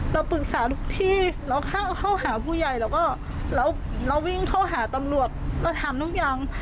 เราปรึกษาทุกที่เราเข้าหาผู้ใหญ่แล้วก็เราวิ่งเข้าหาตำรวจเราถามทุกอย่าง